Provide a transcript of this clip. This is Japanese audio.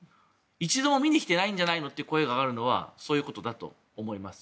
一度も見に来てないんじゃないのという声が上がるのはそういうことだと思います。